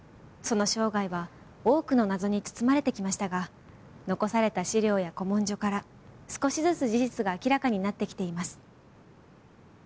その生涯は多くの謎に包まれてきましたが残された資料や古文書から少しずつ事実が明らかになってきています。